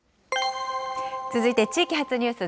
続いて地域発ニュース。